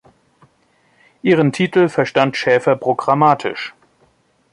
Ihren Titel verstand Schäfer programmatisch.